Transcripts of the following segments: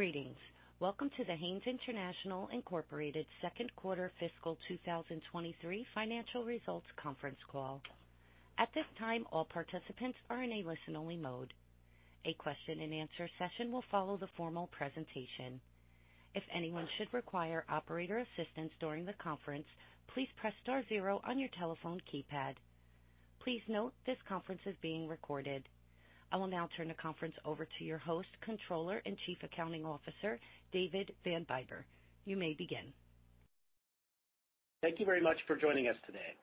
Greetings. Welcome to the Haynes International, Inc second quarter fiscal 2023 financial results conference call. At this time, all participants are in a listen-only mode. A question-and-answer session will follow the formal presentation. If anyone should require operator assistance during the conference, please press star zero on your telephone keypad. Please note this conference is being recorded. I will now turn the conference over to your host, Controller and Chief Accounting Officer, David Van Bibber. You may begin. Thank you very much for joining us today.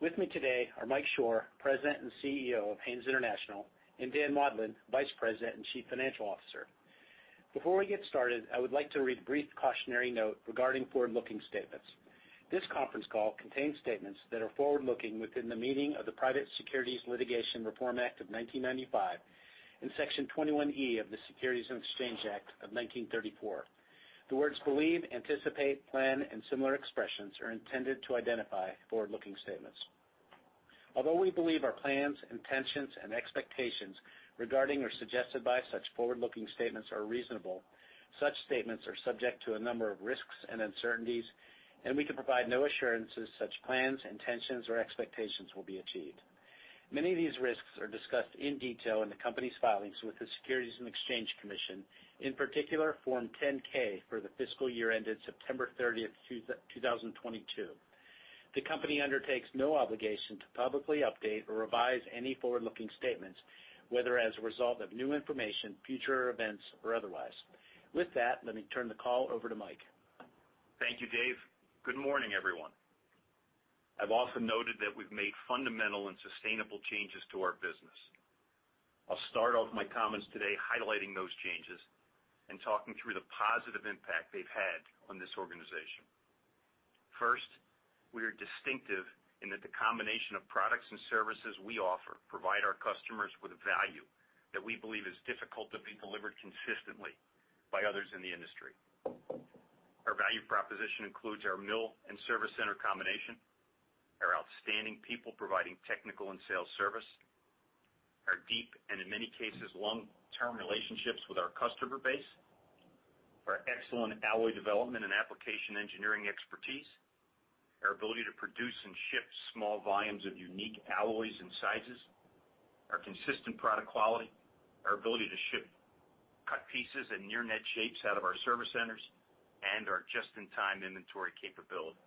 With me today are Mike Shor, President and CEO of Haynes International, and Dan Maudlin, Vice President and Chief Financial Officer. Before we get started, I would like to read a brief cautionary note regarding forward-looking statements. This conference call contains statements that are forward-looking within the meaning of the Private Securities Litigation Reform Act of 1995 and Section 21E of the Securities Exchange Act of 1934. The words believe, anticipate, plan, and similar expressions are intended to identify forward-looking statements. Although we believe our plans, intentions, and expectations regarding or suggested by such forward-looking statements are reasonable, such statements are subject to a number of risks and uncertainties, and we can provide no assurances such plans, intentions, or expectations will be achieved. Many of these risks are discussed in detail in the company's filings with the Securities and Exchange Commission, in particular Form 10-K for the fiscal year ended September 30th, 2022. The company undertakes no obligation to publicly update or revise any forward-looking statements, whether as a result of new information, future events, or otherwise. Let me turn the call over to Mike. Thank you, Dave. Good morning, everyone. I've also noted that we've made fundamental and sustainable changes to our business. I'll start off my comments today highlighting those changes and talking through the positive impact they've had on this organization. First, we are distinctive in that the combination of products and services we offer provide our customers with value that we believe is difficult to be delivered consistently by others in the industry. Our value proposition includes our mill and service center combination, our outstanding people providing technical and sales service, our deep and in many cases, long-term relationships with our customer base, our excellent alloy development and application engineering expertise, our ability to produce and ship small volumes of unique alloys and sizes, our consistent product quality, our ability to ship cut pieces and near net shapes out of our service centers, and our just-in-time inventory capability.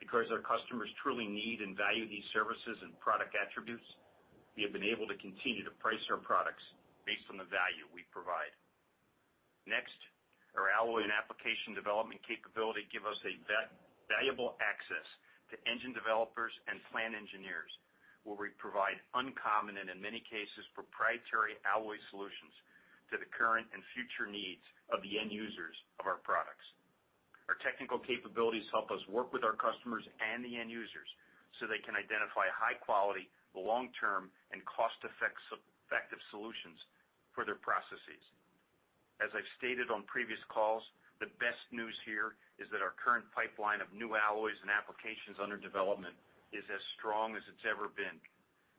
Because our customers truly need and value these services and product attributes, we have been able to continue to price our products based on the value we provide. Next, our alloy and application development capability give us valuable access to engine developers and plan engineers, where we provide uncommon and in many cases, proprietary alloy solutions to the current and future needs of the end users of our products. Our technical capabilities help us work with our customers and the end users so they can identify high quality, long-term, and cost effective solutions for their processes. As I've stated on previous calls, the best news here is that our current pipeline of new alloys and applications under development is as strong as it's ever been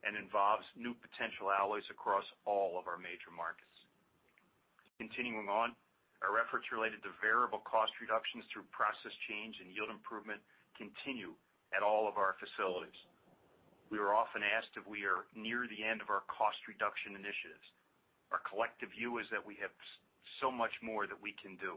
and involves new potential alloys across all of our major markets. Continuing on, our efforts related to variable cost reductions through process change and yield improvement continue at all of our facilities. We are often asked if we are near the end of our cost reduction initiatives. Our collective view is that we have so much more that we can do.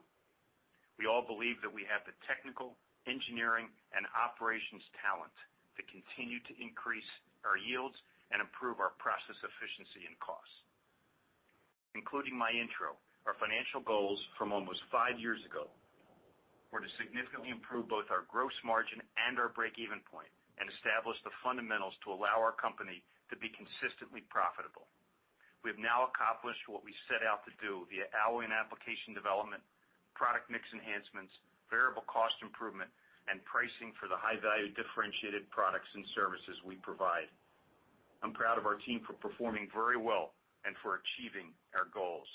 We all believe that we have the technical, engineering, and operations talent to continue to increase our yields and improve our process efficiency and costs. Concluding my intro, our financial goals from almost five years ago were to significantly improve both our gross margin and our break-even point and establish the fundamentals to allow our company to be consistently profitable. We have now accomplished what we set out to do via alloy and application development, product mix enhancements, variable cost improvement, and pricing for the high-value differentiated products and services we provide. I'm proud of our team for performing very well and for achieving our goals.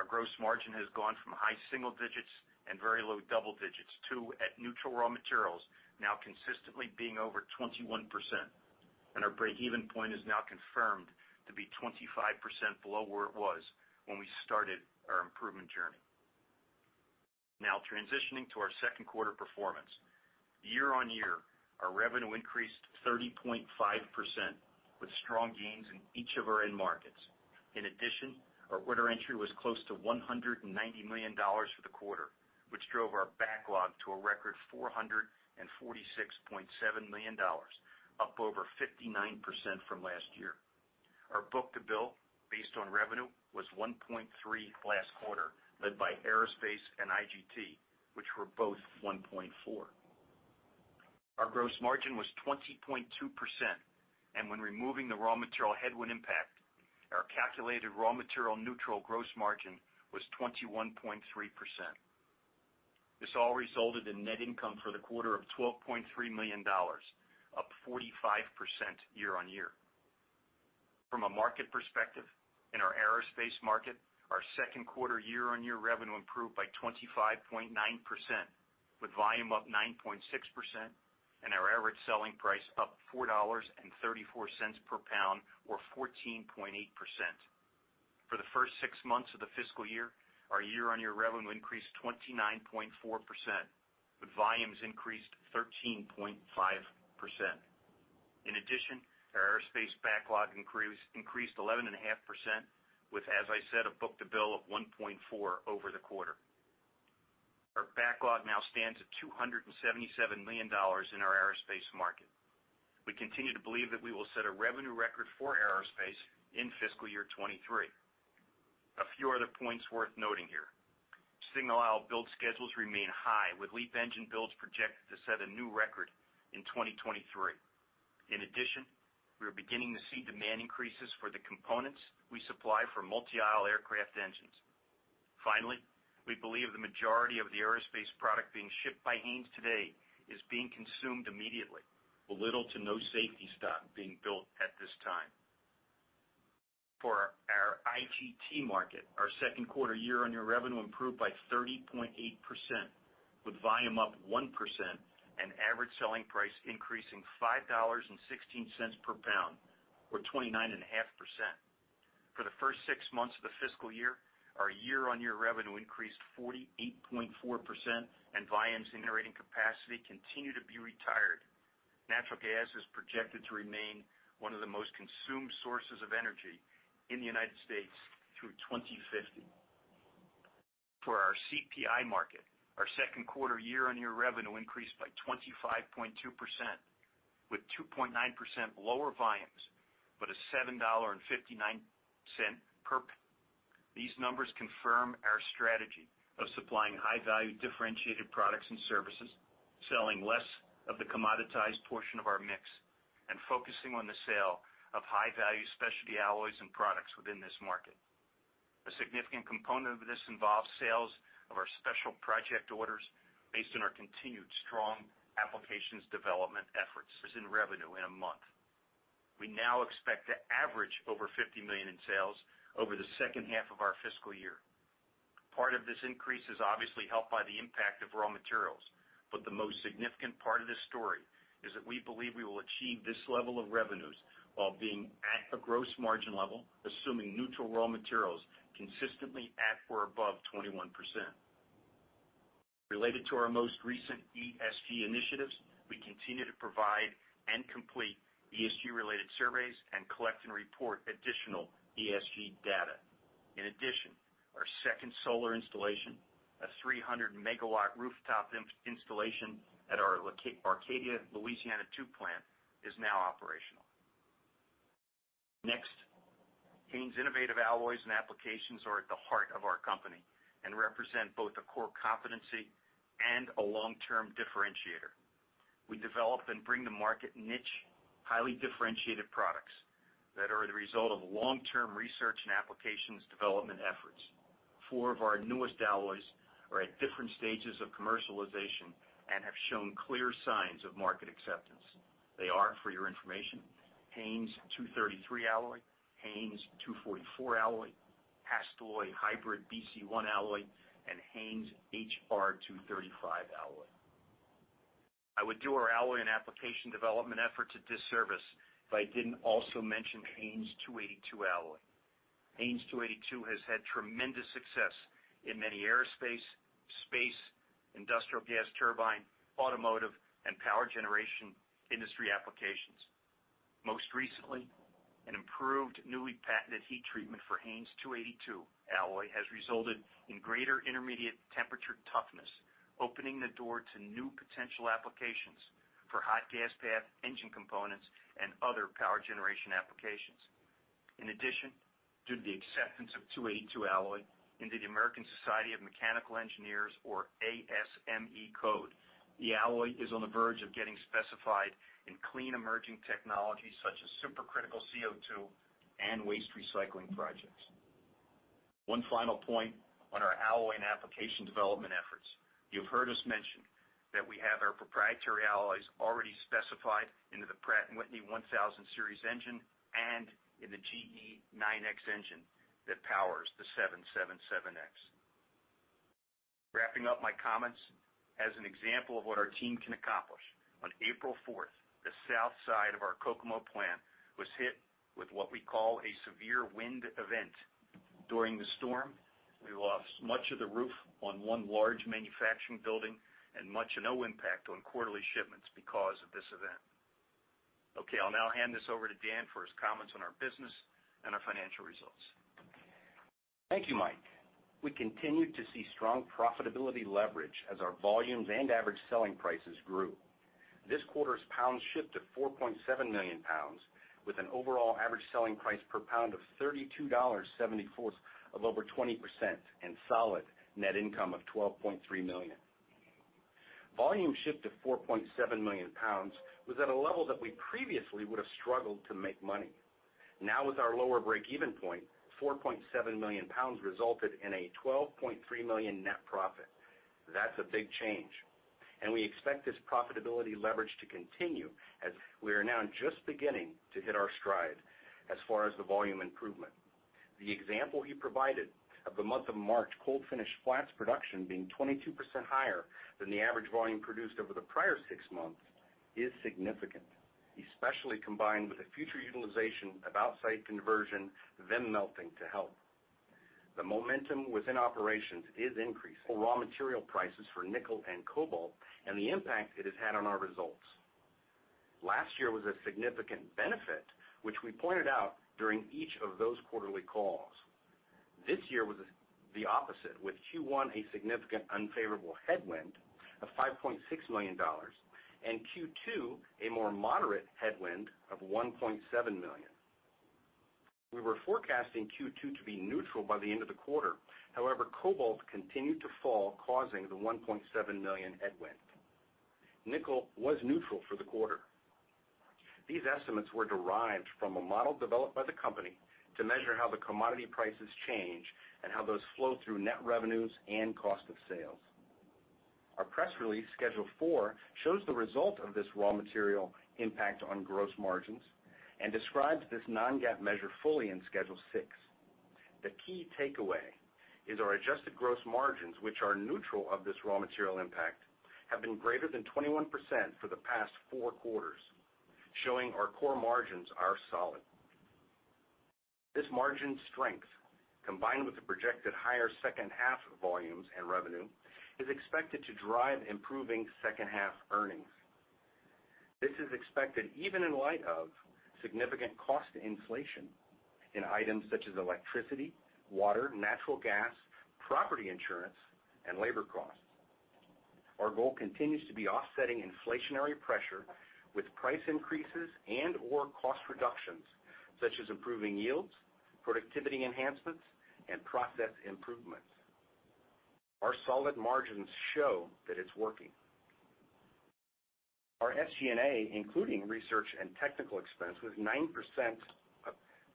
Our gross margin has gone from high single digits and very low double digits to, at neutral raw materials, now consistently being over 21%, and our break-even point is now confirmed to be 25% below where it was when we started our improvement journey. Transitioning to our second quarter performance. year-on-year, our revenue increased 30.5%, with strong gains in each of our end markets. In addition, our order entry was close to $190 million for the quarter, which drove our backlog to a record $446.7 million, up over 59% from last year. Our book to bill based on revenue was 1.3 last quarter, led by aerospace and IGT, which were both 1.4. Our gross margin was 20.2%, and when removing the raw material headwind impact, our calculated raw material neutral gross margin was 21.3%. This all resulted in net income for the quarter of $12.3 million, up 45% year-on-year. From a market perspective, in our aerospace market, our second quarter year-on-year revenue improved by 25.9%. With volume up 9.6% and our average selling price up $4.34 per pound or 14.8%. For the first six months of the fiscal year, our year-on-year revenue increased 29.4%, with volumes increased 13.5%. In addition, our aerospace backlog increased 11.5% with, as I said, a book to bill of 1.4 over the quarter. Our backlog now stands at $277 million in our aerospace market. We continue to believe that we will set a revenue record for aerospace in fiscal year 2023. A few other points worth noting here. Single aisle build schedules remain high, with LEAP engine builds projected to set a new record in 2023. In addition, we are beginning to see demand increases for the components we supply for multi-aisle aircraft engines. We believe the majority of the aerospace product being shipped by Haynes today is being consumed immediately with little to no safety stock being built at this time. For our IGT market, our second quarter year-on-year revenue improved by 30.8%, with volume up 1% and average selling price increasing $5.16 per pound, or 29.5%. For the first six months of the fiscal year, our year-on-year revenue increased 48.4%. Natural gas is projected to remain one of the most consumed sources of energy in the United States through 2050. For our CPI market, our second quarter year-on-year revenue increased by 25.2%, with 2.9% lower volumes, but a $7.59. These numbers confirm our strategy of supplying high-value, differentiated products and services, selling less of the commoditized portion of our mix, and focusing on the sale of high-value specialty alloys and products within this market. A significant component of this involves sales of our special project orders based on our continued strong applications development efforts is in revenue in a month. We now expect to average over $50 million in sales over the second half of our fiscal year. Part of this increase is obviously helped by the impact of raw materials, but the most significant part of this story is that we believe we will achieve this level of revenues while being at a gross margin level, assuming neutral raw materials consistently at or above 21%. Related to our most recent ESG initiatives, we continue to provide and complete ESG-related surveys and collect and report additional ESG data. In addition, our second solar installation, a 300 MW rooftop installation at our Arcadia, Louisiana tube plant is now operational. Next, Haynes' innovative alloys and applications are at the heart of our company and represent both a core competency and a long-term differentiator. We develop and bring to market niche, highly differentiated products that are the result of long-term research and applications development efforts. Four of our newest alloys are at different stages of commercialization and have shown clear signs of market acceptance. They are, for your information, HAYNES 233 alloy, HAYNES 244 alloy, HASTELLOY HYBRID-BC1 alloy, and HAYNES HR-235 alloy. I would do our alloy and application development effort a disservice if I didn't also mention HAYNES 282 alloy. HAYNES 282 has had tremendous success in many aerospace, space, industrial gas turbine, automotive and power generation industry applications. Most recently, an improved, newly patented heat treatment for HAYNES 282 alloy has resulted in greater intermediate temperature toughness, opening the door to new potential applications for hot gas path engine components and other power generation applications. In addition to the acceptance of 282 alloy into the American Society of Mechanical Engineers, or ASME Code, the alloy is on the verge of getting specified in clean, emerging technologies such as supercritical CO2 and waste recycling projects. One final point on our alloy and application development efforts. You've heard us mention that we have our proprietary alloys already specified into the Pratt & Whitney 1,000 series engine and in the GE9X engine that powers the 777X. Wrapping up my comments, as an example of what our team can accomplish, on April 4th, the south side of our Kokomo plant was hit with what we call a severe wind event. During the storm, we lost much of the roof on one large manufacturing building and no impact on quarterly shipments because of this event. Okay, I'll now hand this over to Dan for his comments on our business and our financial results. Thank you, Mike. We continued to see strong profitability leverage as our volumes and average selling prices grew. This quarter's pounds shipped to lbs 4.7 million, with an overall average selling price per pound of $32.74, of over 20% and solid net income of $12.3 million. Volume shipped to lbs 4.7 million was at a level that we previously would have struggled to make money. Now with our lower breakeven point, lbs 4.7 million resulted in a $12.3 million net profit. That's a big change, and we expect this profitability leverage to continue as we are now just beginning to hit our stride as far as the volume improvement. The example he provided of the month of March cold-finished flats production being 22% higher than the average volume produced over the prior six months is significant, especially combined with the future utilization of outside conversion, then melting to help. The momentum within operations is increasing. For raw material prices for nickel and cobalt and the impact it has had on our results. Last year was a significant benefit, which we pointed out during each of those quarterly calls. This year was the opposite, with Q1 a significant unfavorable headwind of $5.6 million and Q2 a more moderate headwind of $1.7 million. We were forecasting Q2 to be neutral by the end of the quarter. However, cobalt continued to fall, causing the $1.7 million headwind. Nickel was neutral for the quarter. These estimates were derived from a model developed by the company to measure how the commodity prices change and how those flow through net revenues and cost of sales. Our press release Schedule 4 shows the result of this raw material impact on gross margins and describes this non-GAAP measure fully in Schedule 6. The key takeaway is our adjusted gross margins, which are neutral of this raw material impact, have been greater than 21% for the past 4 quarters, showing our core margins are solid. This margin strength, combined with the projected higher second half volumes and revenue, is expected to drive improving second half earnings. This is expected even in light of significant cost inflation in items such as electricity, water, natural gas, property insurance, and labor costs. Our goal continues to be offsetting inflationary pressure with price increases and or cost reductions such as improving yields, productivity enhancements, and process improvements. Our solid margins show that it's working. Our SG&A, including research and technical expense, was 9%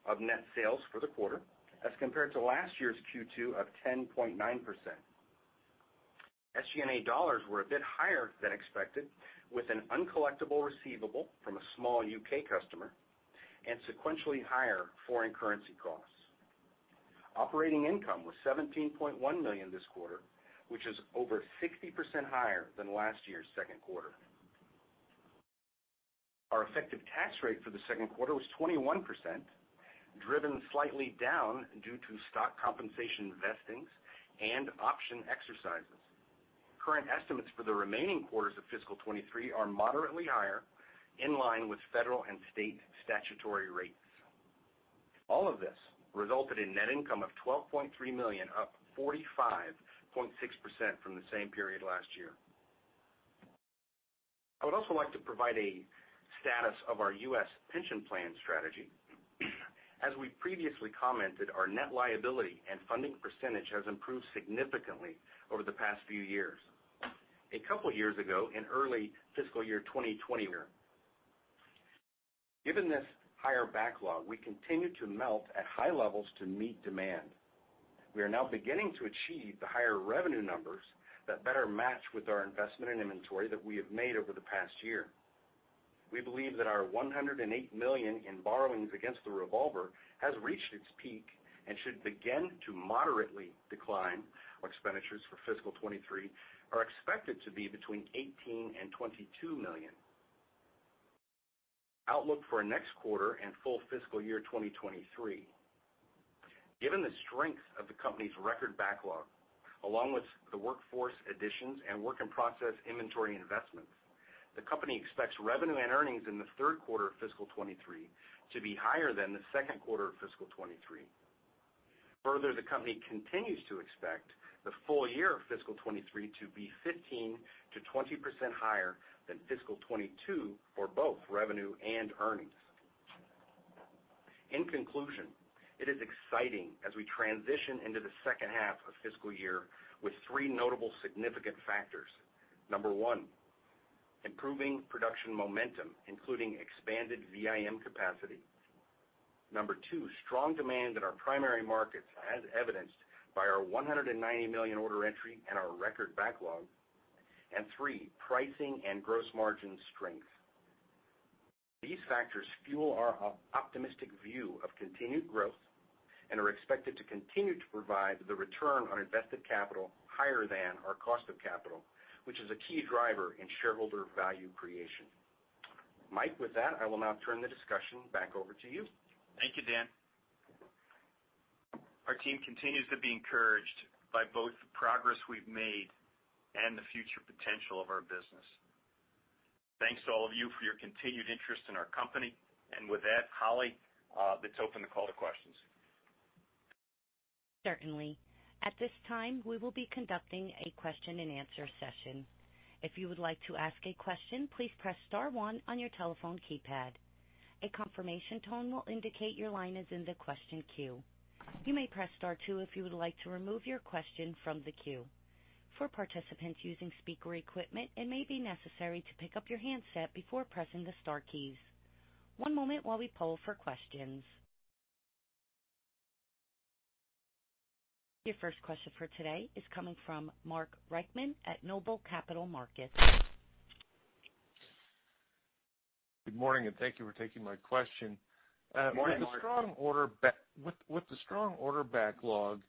of net sales for the quarter as compared to last year's Q2 of 10.9%. SG&A dollars were a bit higher than expected, with an uncollectible receivable from a small U.K. customer and sequentially higher foreign currency costs. Operating income was $17.1 million this quarter, which is over 60% higher than last year's second quarter. Our effective tax rate for the second quarter was 21%, driven slightly down due to stock compensation vestings and option exercises. Current estimates for the remaining quarters of fiscal 2023 are moderately higher, in line with federal and state statutory rates. All of this resulted in net income of $12.3 million, up 45.6% from the same period last year. I would also like to provide a status of our U.S. pension plan strategy. As we previously commented, our net liability and funding percentage has improved significantly over the past few years. A couple years ago, in early fiscal year 2020. Given this higher backlog, we continue to melt at high levels to meet demand. We are now beginning to achieve the higher revenue numbers that better match with our investment in inventory that we have made over the past year. We believe that our $108 million in borrowings against the revolver has reached its peak and should begin to moderately decline. Expenditures for fiscal 2023 are expected to be between $18 million-$22 million. Outlook for next quarter and full fiscal year 2023. Given the strength of the company's record backlog, along with the workforce additions and work in process inventory investments, the company expects revenue and earnings in the third quarter of fiscal 2023 to be higher than the second quarter of fiscal 2023. The company continues to expect the full year of fiscal 2023 to be 15%-20% higher than fiscal 2022 for both revenue and earnings. In conclusion, it is exciting as we transition into the second half of fiscal year with three notable significant factors. One, improving production momentum, including expanded VIM capacity. Two, strong demand in our primary markets as evidenced by our $190 million order entry and our record backlog. Three, pricing and gross margin strength. These factors fuel our optimistic view of continued growth and are expected to continue to provide the return on invested capital higher than our cost of capital, which is a key driver in shareholder value creation. Mike, with that, I will now turn the discussion back over to you. Thank you, Dan. Our team continues to be encouraged by both the progress we've made and the future potential of our business. Thanks to all of you for your continued interest in our company. With that, Holly, let's open the call to questions. Certainly. At this time, we will be conducting a question and answer session. If you would like to ask a question, please press star one on your telephone keypad. A confirmation tone will indicate your line is in the question queue. You may press star two if you would like to remove your question from the queue. For participants using speaker equipment, it may be necessary to pick up your handset before pressing the star keys. One moment while we poll for questions. Your first question for today is coming from Mark Reichman at NOBLE Capital Markets. Good morning, and thank you for taking my question. Good morning, Mark. With the strong order backlog,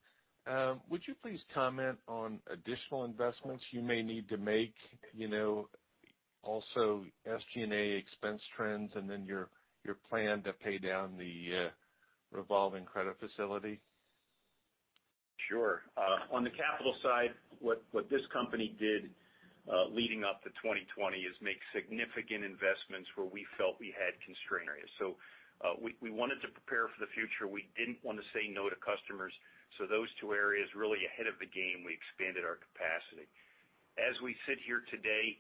would you please comment on additional investments you may need to make, you know, also SG&A expense trends and then your plan to pay down the revolving credit facility? Sure. On the capital side, what this company did leading up to 2020 is make significant investments where we felt we had constraint areas. We wanted to prepare for the future. We didn't want to say no to customers. Those two areas really ahead of the game, we expanded our capacity. As we sit here today,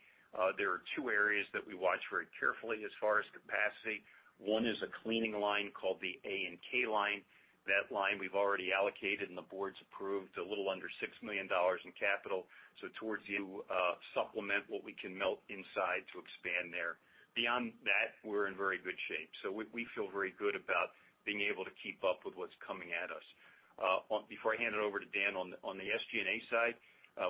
there are two areas that we watch very carefully as far as capacity. One is a cleaning line called the A&K line. That line we've already allocated, and the board's approved a little under $6 million in capital, so towards the supplement what we can melt inside to expand there. Beyond that, we're in very good shape. We feel very good about being able to keep up with what's coming at us. Before I hand it over to Dan, on the SG&A side,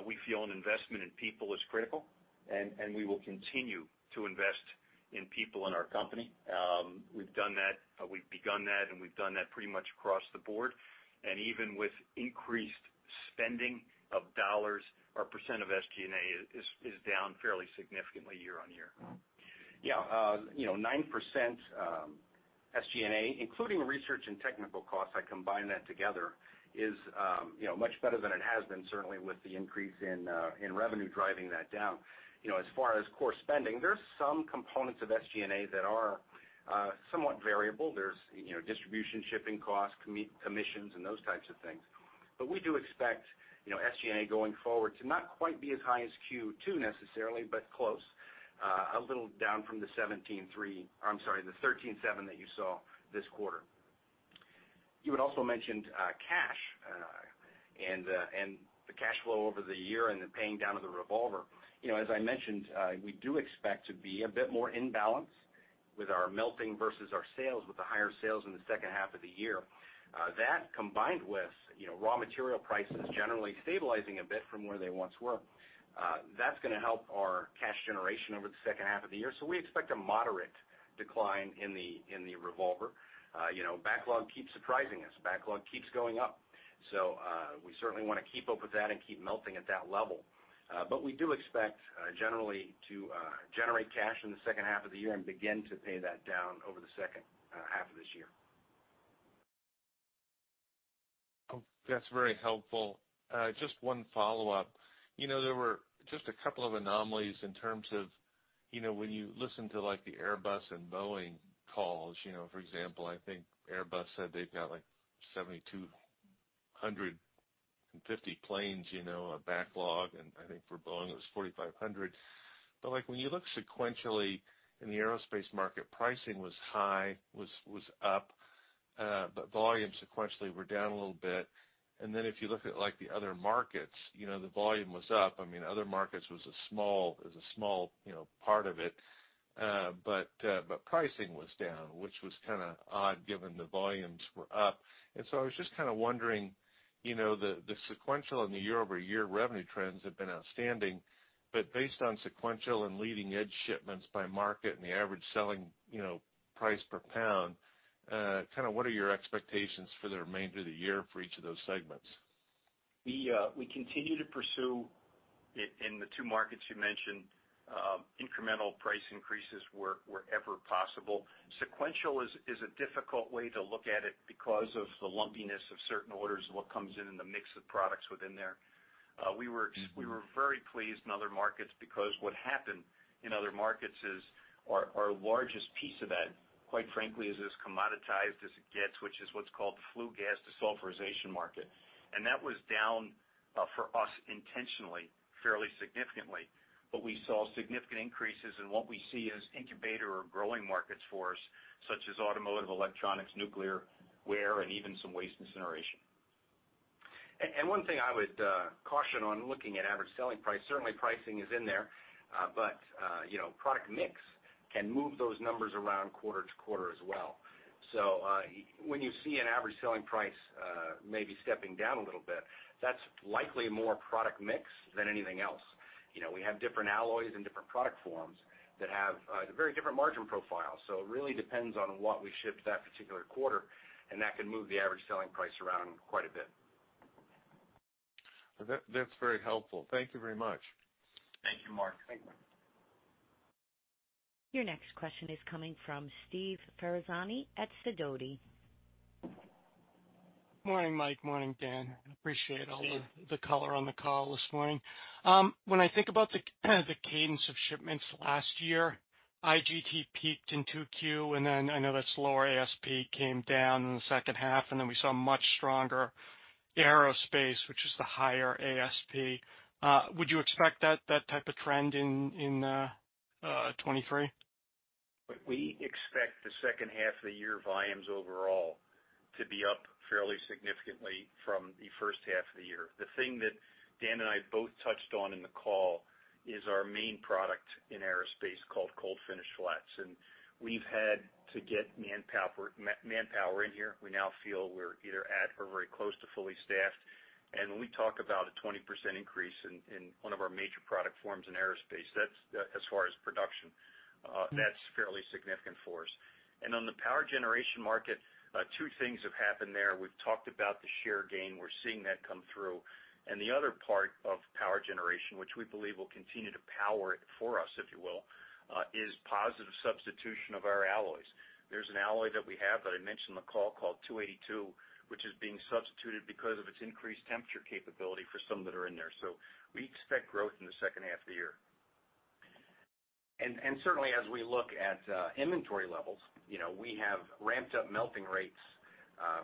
we feel an investment in people is critical, and we will continue to invest in people in our company. We've done that, we've begun that, and we've done that pretty much across the board. Even with increased spending of dollars, our percentage of SG&A is down fairly significantly year on year. Yeah, you know, 9% SG&A, including research and technical costs, I combine that together, is, you know, much better than it has been, certainly with the increase in revenue driving that down. You know, as far as core spending, there's some components of SG&A that are somewhat variable. There's, you know, distribution, shipping costs, commissions and those types of things. But we do expect, you know, SG&A going forward to not quite be as high as Q2 necessarily, but close, a little down from the $17.3 million, or I'm sorry, the $13.7 million that you saw this quarter. You had also mentioned cash, and the cash flow over the year and the paying down of the revolver. You know, as I mentioned, we do expect to be a bit more in balance with our melting versus our sales, with the higher sales in the second half of the year. That combined with, you know, raw material prices generally stabilizing a bit from where they once were, that's gonna help our cash generation over the second half of the year. We expect a moderate decline in the, in the revolver. You know, backlog keeps surprising us. Backlog keeps going up. We certainly wanna keep up with that and keep melting at that level. We do expect generally to generate cash in the second half of the year and begin to pay that down over the second half of this year. That's very helpful. Just one follow-up. You know, there were just a couple of anomalies in terms of, you know, when you listen to like the Airbus and Boeing calls, you know, for example, I think Airbus said they've got like 7,250 planes, you know, a backlog, and I think for Boeing it was 4,500. Like when you look sequentially in the aerospace market, pricing was up, but volumes sequentially were down a little bit. Then if you look at like the other markets, you know, the volume was up. I mean, other markets was a small, is a small, you know, part of it. But pricing was down, which was kinda odd given the volumes were up. I was just kinda wondering, you know, the sequential and the year-over-year revenue trends have been outstanding, but based on sequential and leading edge shipments by market and the average selling, you know, price per pound, kinda what are your expectations for the remainder of the year for each of those segments? We continue to pursue in the two markets you mentioned, incremental price increases where, wherever possible. Sequential is a difficult way to look at it because of the lumpiness of certain orders and what comes in in the mix of products within there. We were very pleased in other markets because what happened in other markets is our largest piece of that, quite frankly, is as commoditized as it gets, which is what's called the flue gas desulfurization market. That was down, for us intentionally, fairly significantly. We saw significant increases in what we see as incubator or growing markets for us, such as automotive, electronics, nuclear, wear, and even some waste incineration. One thing I would caution on looking at average selling price, certainly pricing is in there, but, you know, product mix can move those numbers around quarter-to-quarter as well. When you see an average selling price, maybe stepping down a little bit, that's likely more product mix than anything else. You know, we have different alloys and different product forms that have very different margin profiles. It really depends on what we ship that particular quarter, and that can move the average selling price around quite a bit. That's very helpful. Thank you very much. Thank you, Mark. Thank you. Your next question is coming from Steve Ferazani at Sidoti. Morning, Mike. Morning, Dan. Appreciate all. Steve. The color on the call this morning. When I think about the cadence of shipments last year, IGT peaked in two Q, and then I know that's lower ASP came down in the second half, and then we saw much stronger aerospace, which is the higher ASP. Would you expect that type of trend in 2023? We expect the second half of the year volumes overall to be up fairly significantly from the first half of the year. The thing that Dan and I both touched on in the call is our main product in aerospace called cold-finished flats. We've had to get manpower in here. We now feel we're either at or very close to fully staffed. When we talk about a 20% increase in one of our major product forms in aerospace, that's, as far as production, that's fairly significant for us. On the power generation market, two things have happened there. We've talked about the share gain. We're seeing that come through. The other part of power generation, which we believe will continue to power it for us, if you will, is positive substitution of our alloys. There's an alloy that we have that I mentioned in the call called HAYNES 282, which is being substituted because of its increased temperature capability for some that are in there. We expect growth in the second half of the year. Certainly, as we look at inventory levels, you know, we have ramped up melting rates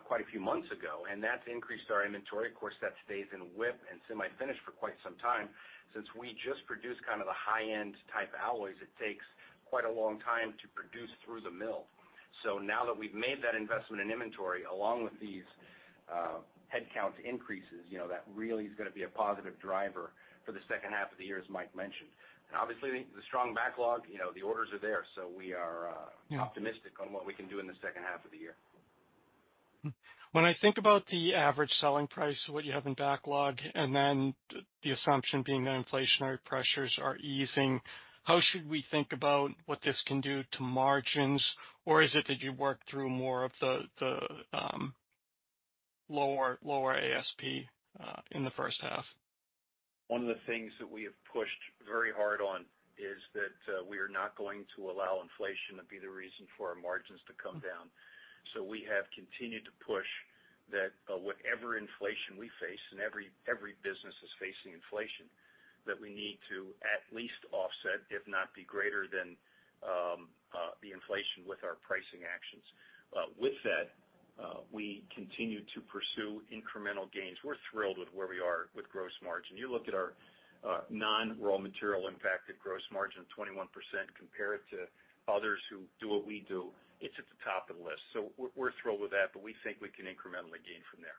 quite a few months ago, and that's increased our inventory. Of course, that stays in whip and semi-finish for quite some time. Since we just produce kind of the high-end type alloys, it takes quite a long time to produce through the mill. Now that we've made that investment in inventory, along with these headcount increases, you know, that really is gonna be a positive driver for the second half of the year, as Mike mentioned. Obviously, the strong backlog, you know, the orders are there, so we are optimistic on what we can do in the second half of the year. When I think about the average selling price of what you have in backlog, and then the assumption being that inflationary pressures are easing, how should we think about what this can do to margins? Or is it that you work through more of the lower ASP in the first half? One of the things that we have pushed very hard on is that we are not going to allow inflation to be the reason for our margins to come down. We have continued to push that whatever inflation we face, and every business is facing inflation, that we need to at least offset, if not be greater than the inflation with our pricing actions. With that we continue to pursue incremental gains. We're thrilled with where we are with gross margin. You look at our non-raw material impacted gross margin of 21%, compare it to others who do what we do, it's at the top of the list. We're thrilled with that, but we think we can incrementally gain from there.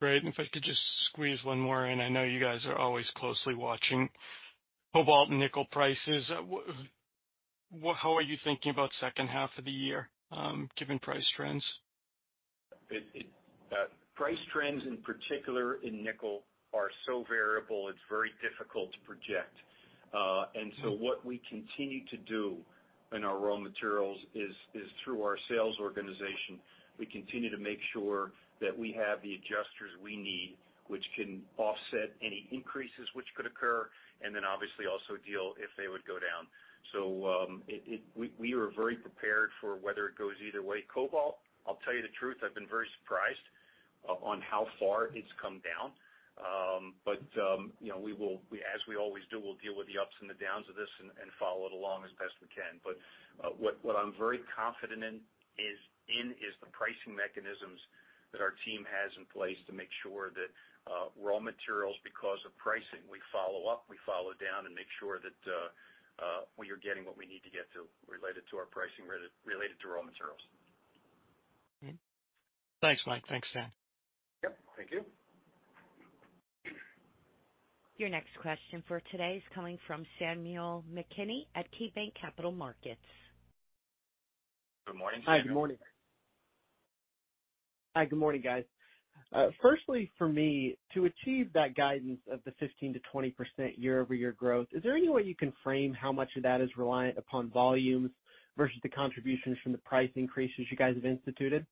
Great. If I could just squeeze one more in. I know you guys are always closely watching cobalt and nickel prices. How are you thinking about second half of the year, given price trends? It price trends in particular in nickel are so variable, it's very difficult to project. What we continue to do in our raw materials is through our sales organization, we continue to make sure that we have the adjusters we need, which can offset any increases which could occur, and then obviously also deal if they would go down. We are very prepared for whether it goes either way. Cobalt, I'll tell you the truth, I've been very surprised on how far it's come down. You know, we will, as we always do, we'll deal with the ups and the downs of this and follow it along as best we can. What I'm very confident in, is the pricing mechanisms that our team has in place to make sure that raw materials, because of pricing, we follow up, we follow down and make sure that we are getting what we need to get to related to our pricing related to raw materials. Okay. Thanks, Mike. Thanks, Dan. Yep, thank you. Your next question for today is coming from Samuel McKinney at KeyBanc Capital Markets. Good morning, Samuel. Hi, good morning. Hi, good morning, guys. Firstly for me, to achieve that guidance of the 15%-20% year-over-year growth, is there any way you can frame how much of that is reliant upon volumes versus the contributions from the price increases you guys have instituted?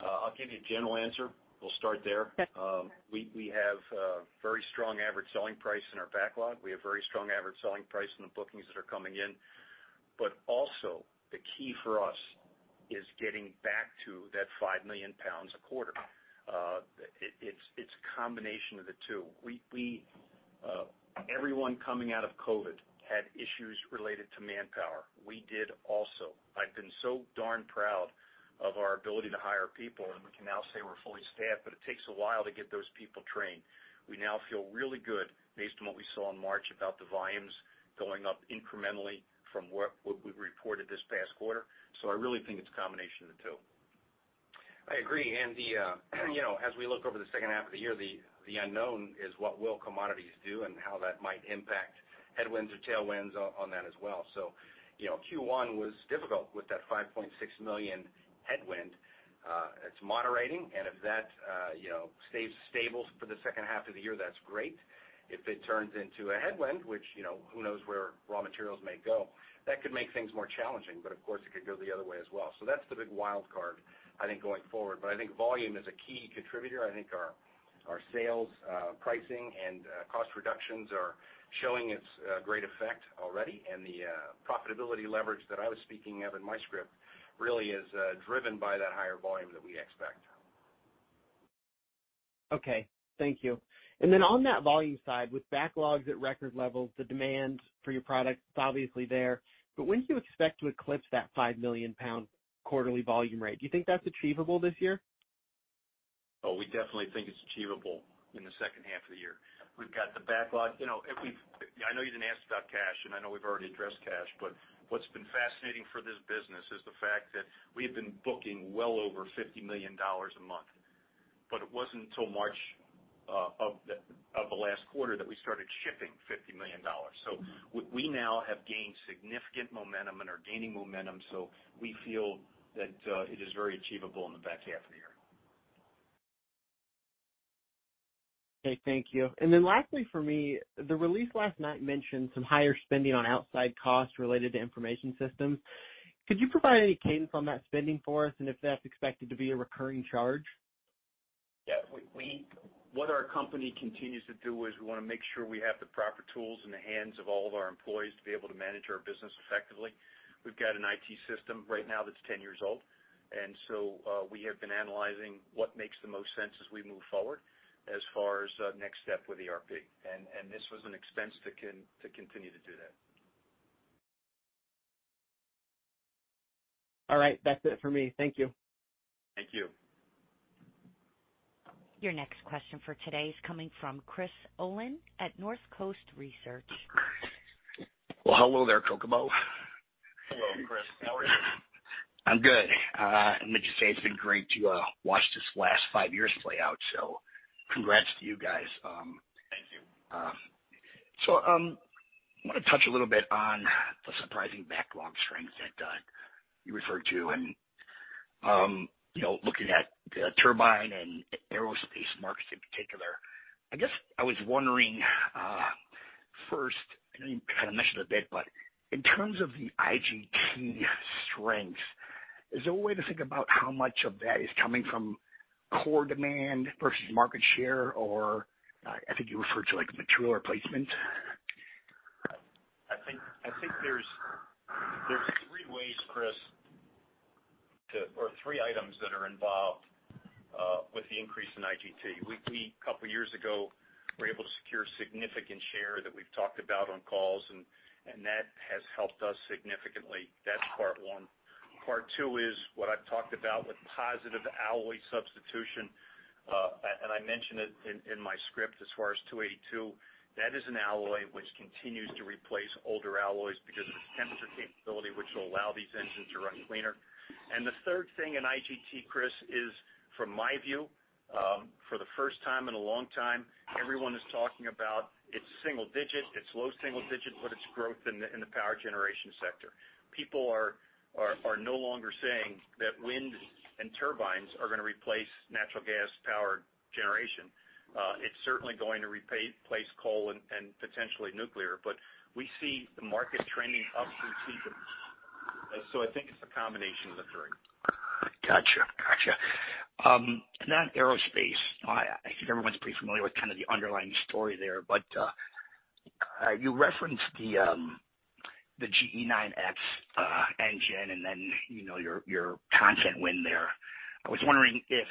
I'll give you a general answer. We'll start there. Okay. We have a very strong average selling price in our backlog. We have very strong average selling price in the bookings that are coming in. The key for us is getting back to that lbs 5 million a quarter. It's a combination of the two. Everyone coming out of COVID had issues related to manpower. We did also. I've been so darn proud of our ability to hire people, and we can now say we're fully staffed, but it takes a while to get those people trained. We now feel really good based on what we saw in March about the volumes going up incrementally from what we reported this past quarter. I really think it's a combination of the two. I agree. The, you know, as we look over the second half of the year, the unknown is what will commodities do and how that might impact headwinds or tailwinds on that as well. Q1 was difficult with that $5.6 million headwind. It's moderating, and if that, you know, stays stable for the second half of the year, that's great. If it turns into a headwind, which, you know, who knows where raw materials may go, that could make things more challenging, but of course, it could go the other way as well. That's the big wild card, I think, going forward. I think volume is a key contributor. I think our sales, pricing, and cost reductions are showing its great effect already. The profitability leverage that I was speaking of in my script really is driven by that higher volume that we expect. Okay. Thank you. On that volume side, with backlogs at record levels, the demand for your product is obviously there. When do you expect to eclipse that lbs 5 million quarterly volume rate? Do you think that's achievable this year? Oh, we definitely think it's achievable in the second half of the year. We've got the backlog. You know, Yeah, I know you didn't ask about cash, and I know we've already addressed cash, but what's been fascinating for this business is the fact that we have been booking well over $50 million a month. It wasn't until March of the last quarter that we started shipping $50 million. We now have gained significant momentum and are gaining momentum, so we feel that it is very achievable in the back half of the year. Okay, thank you. Lastly for me, the release last night mentioned some higher spending on outside costs related to information systems. Could you provide any cadence on that spending for us and if that's expected to be a recurring charge? Yeah. We what our company continues to do is we wanna make sure we have the proper tools in the hands of all of our employees to be able to manage our business effectively. We've got an IT system right now that's 10 years old. We have been analyzing what makes the most sense as we move forward as far as next step with ERP. This was an expense to continue to do that. All right. That's it for me. Thank you. Thank you. Your next question for today is coming from Chris Olin at Northcoast Research. Well, hello there, Kokomo. Hello, Chris. How are you? I'm good. Let me just say it's been great to watch this last five years play out. Congrats to you guys. Thank you. I wanna touch a little bit on the surprising backlog strength that you referred to and, you know, looking at the turbine and aerospace markets in particular. I guess I was wondering, first, I know you kinda mentioned a bit, but in terms of the IGT strength, is there a way to think about how much of that is coming from core demand versus market share? Or, I think you referred to, like, material replacement. I think there's three ways, Chris, or three items that are involved with the increase in IGT. We two years ago were able to secure significant share that we've talked about on calls, and that has helped us significantly. That's part one. Part two is what I've talked about with positive alloy substitution. And I mentioned it in my script as far as HAYNES 282 alloy. That is an alloy which continues to replace older alloys because of its temperature capability, which will allow these engines to run cleaner. The third thing in IGT, Chris, is from my view, for the first time in a long time, everyone is talking about it's single digit, it's low single digit, but it's growth in the power generation sector. People are no longer saying that wind and turbines are gonna replace natural gas powered generation. It's certainly going to replace coal and potentially nuclear. We see the market trending up through season. I think it's a combination of the three. Gotcha. Gotcha. Now aerospace. I think everyone's pretty familiar with kind of the underlying story there. You referenced the GE9X engine and then, you know, your content win there. I was wondering if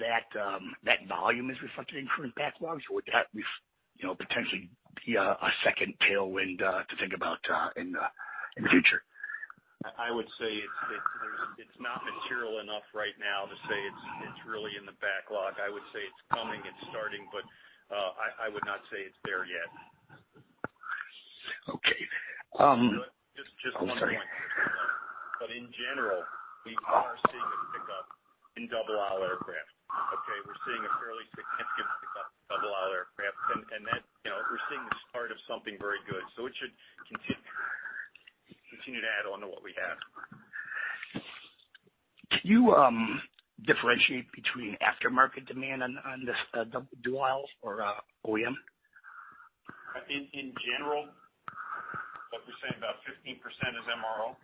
that volume is reflected in current backlogs or would that, you know, potentially be a second tailwind to think about in the future? I would say It's not material enough right now to say it's really in the backlog. I would say it's coming, it's starting, but I would not say it's there yet. Okay. Just one point. Oh, I'm sorry. In general, we are seeing a pickup in double aisle aircraft. Okay? We're seeing a fairly significant pickup in double aisle aircraft. That, you know, we're seeing the start of something very good. It should continue to add on to what we have. Can you differentiate between aftermarket demand on this, dual aisle or, OEM? In general, what we say about 15% is MRO.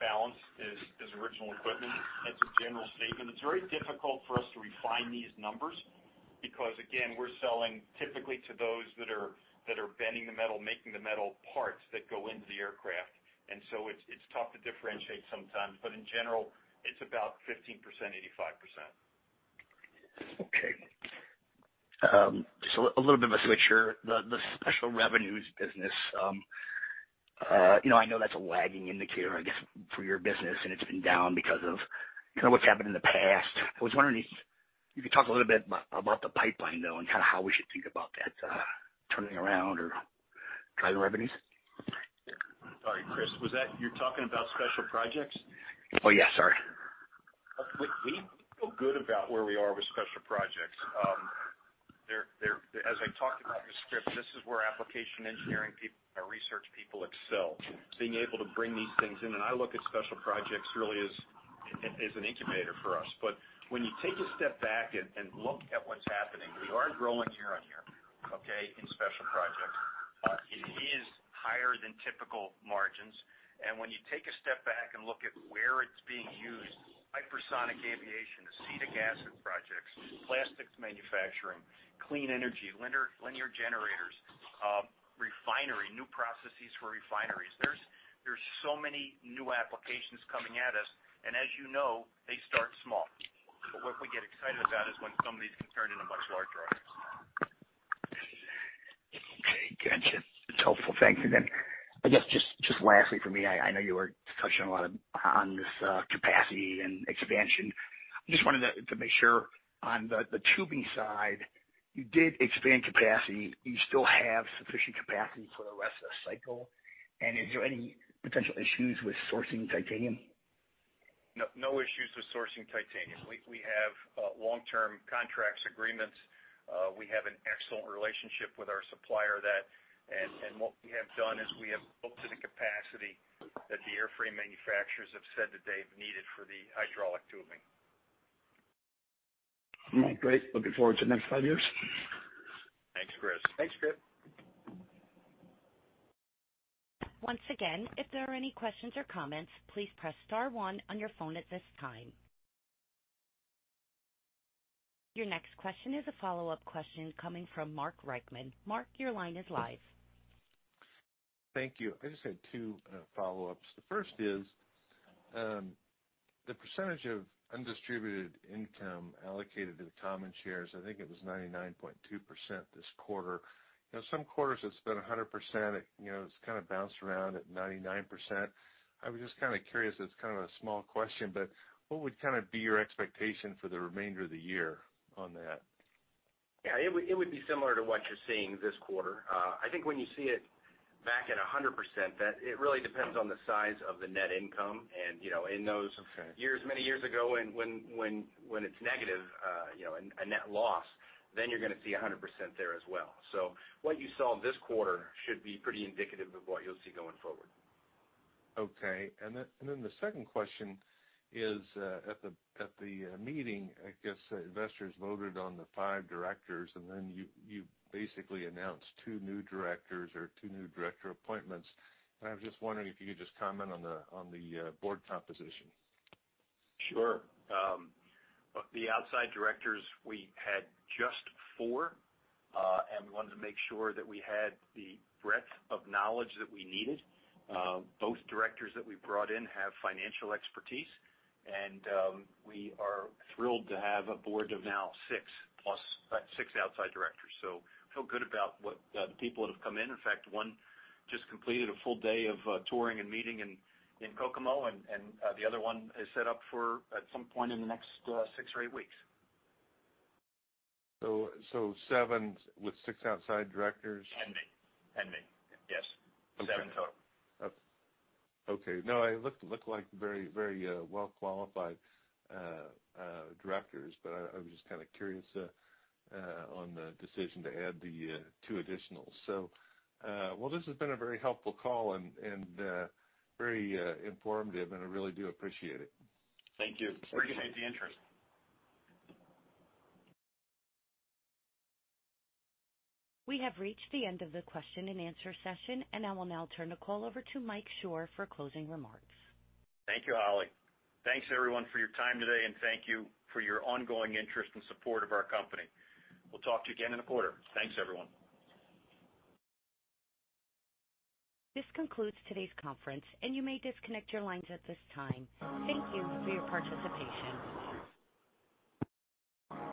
Balance is original equipment. That's a general statement. It's very difficult for us to refine these numbers because, again, we're selling typically to those that are bending the metal, making the metal parts that go into the aircraft. It's tough to differentiate sometimes. In general, it's about 15%, 85%. Okay. Just a little bit of a switch here. The special revenues business, you know, I know that's a lagging indicator, I guess, for your business, and it's been down because of, you know, what's happened in the past. I was wondering if you could talk a little bit about the pipeline, though, and kinda how we should think about that turning around or driving revenues. Sorry, Chris. You're talking about special projects? Oh, yes. Sorry. We feel good about where we are with special projects. They're As I talked about in the script, this is where application engineering people, our research people excel, being able to bring these things in. I look at special projects really as an incubator for us. When you take a step back and look at what's happening, we are growing year-on-year, okay, in special projects. It is higher than typical margins. When you take a step back and look at where it's being used, hypersonic aviation, acetic acid projects, plastics manufacturing, clean energy, linear generators, refinery, new processes for refineries. There's so many new applications coming at us, and as you know, they start small. What we get excited about is when some of these can turn into much larger opportunities. Okay, gotcha. It's helpful. Thank you. I guess just lastly for me, I know you were touching a lot on this capacity and expansion. I just wanted to make sure on the tubing side, you did expand capacity. You still have sufficient capacity for the rest of the cycle? Is there any potential issues with sourcing titanium? No issues with sourcing titanium. We have long-term contracts agreements. We have an excellent relationship with our supplier. What we have done is we have booked to the capacity that the airframe manufacturers have said that they've needed for the hydraulic tubing. All right, great. Looking forward to the next five years. Thanks, Chris. Thanks, Chris. Once again, if there are any questions or comments, please press star one on your phone at this time. Your next question is a follow-up question coming from Mark Reichman. Mark, your line is live. Thank you. I just had two follow-ups. The first is, the percentage of undistributed income allocated to the common shares, I think it was 99.2% this quarter. You know, some quarters it's been 100%. You know, it's kinda bounced around at 99%. I was just kinda curious, it's kind of a small question, but what would kinda be your expectation for the remainder of the year on that? Yeah, it would be similar to what you're seeing this quarter. I think when you see it back at 100%, that it really depends on the size of the net income. Okay. -years, many years ago, when it's negative, you know, a net loss, then you're gonna see 100% there as well. What you saw this quarter should be pretty indicative of what you'll see going forward. Okay. Then the second question is, at the meeting, I guess investors voted on the five directors, and then you basically announced two new directors or two new director appointments. I was just wondering if you could just comment on the board composition. Sure. The outside directors, we had just four, and we wanted to make sure that we had the breadth of knowledge that we needed. Both directors that we brought in have financial expertise, and we are thrilled to have a board of now 6 + 6 outside directors. Feel good about what the people that have come in. In fact, one just completed a full day of touring and meeting in Kokomo, and the other one is set up for at some point in the next six or eight weeks. Seven with six outside directors? Me. Yes. Seven total. Okay. No, it looked like very well-qualified directors, but I was just kind of curious on the decision to add the two additional. Well, this has been a very helpful call and very informative, and I really do appreciate it. Thank you. Appreciate the interest. We have reached the end of the question and answer session. I will now turn the call over to Mike Shor for closing remarks. Thank you, Holly. Thanks everyone for your time today. Thank you for your ongoing interest and support of our company. We'll talk to you again in a quarter. Thanks, everyone. This concludes today's conference, and you may disconnect your lines at this time. Thank you for your participation.